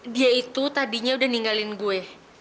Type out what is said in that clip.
dia itu tadinya udah ninggalin gue